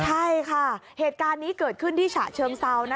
ใช่ค่ะเหตุการณ์นี้เกิดขึ้นที่ฉะเชิงเซา